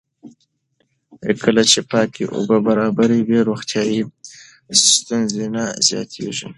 کله چې پاکې اوبه برابرې وي، روغتیایي ستونزې نه زیاتېږي.